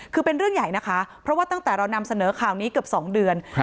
คือเป็นเรื่องใหญ่นะคะเพราะว่าตั้งแต่เรานำเสนอข่าวนี้เกือบ๒เดือน